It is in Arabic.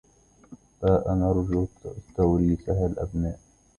باءُ نرجو توريثَها الأبناءَ